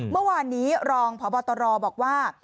เมื่อวานนี้รองพบตรบอกว่า